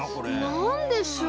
なんでしょう？